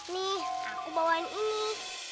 nih aku bawain ini